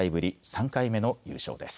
３回目の優勝です。